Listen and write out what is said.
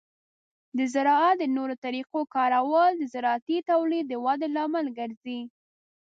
د زراعت د نوو طریقو کارول د زراعتي تولید د ودې لامل ګرځي.